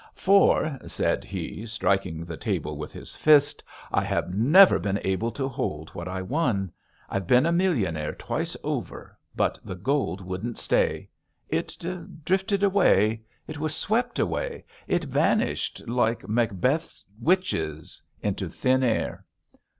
'For,' said he, striking the table with his fist, 'I have never been able to hold what I won. I've been a millionaire twice over, but the gold wouldn't stay; it drifted away, it was swept away, it vanished, like Macbeth's witches, into thin air.